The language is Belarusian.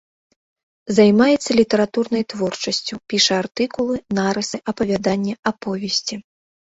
Займаецца літаратурнай творчасцю, піша артыкулы, нарысы, апавяданні, аповесці.